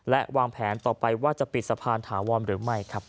และวางแผนต่อไปว่าจะปิดสะพานถาวรหรือไม่ครับ